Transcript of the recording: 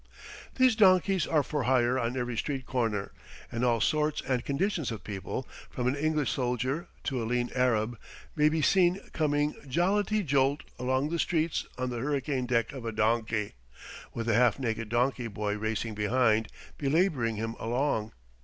These donkeys are for hire on every street corner, and all sorts and conditions of people, from an English soldier to a lean Arab, may be seen coming jollity jolt along the streets on the hurricane deck of a donkey, with a half naked donkey boy racing behind, belaboring him along.